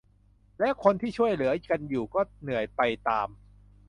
และคนที่ช่วยเหลือกันอยู่ก็เหนื่อยไปตาม